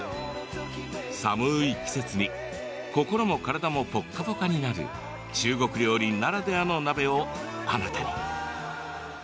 寒い季節に心も体もポッカポカになる中国料理ならではの鍋をあなたに。